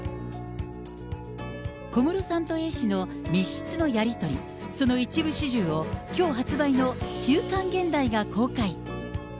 小室さんとＡ氏の密室のやり取り、その一部始終を、きょう発売の週刊現代が公開。